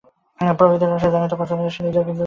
প্রকৃতি রহস্য পছন্দ করে না, সে নিজে কিন্তু খুব রহস্যময়।